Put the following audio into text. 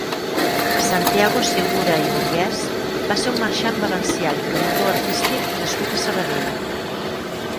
Santiago Segura i Burguès va ser un marxant valencià i promotor artístic nascut a Sabadell.